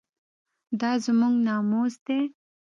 دا زموږ ناموس دی؟